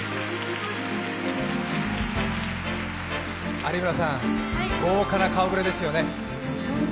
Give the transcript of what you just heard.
有村さん、豪華な顔ぶれですよね。